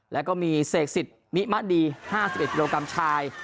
แล้วก็มีเสกศิษย์มิมะดีห้าสิบกิโลกรัมชาย